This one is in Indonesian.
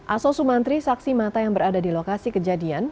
aso sumantri saksi mata yang berada di lokasi kejadian